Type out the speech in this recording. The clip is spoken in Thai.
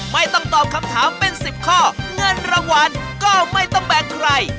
ไม่ต้องตอบคำถามเป็น๑๐ข้อเงินรางวัลก็ไม่ต้องแบ่งใคร